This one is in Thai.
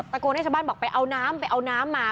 โกนให้ชาวบ้านบอกไปเอาน้ำไปเอาน้ำมา